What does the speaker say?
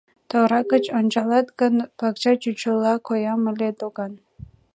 Тора гыч ончалат гын, пакча чучылла коям ыле докан.